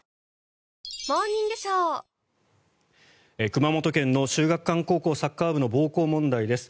熊本県の秀岳館高校サッカー部の暴行問題です。